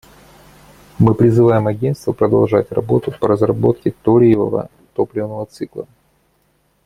Мы призываем Агентство продолжать работу по разработке ториевого топливного цикла.